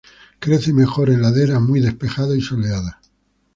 Crece mejor en laderas muy despejadas y soleadas.